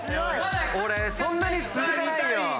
俺そんなに続かないよ。